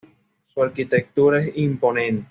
Su arquitectura es imponente.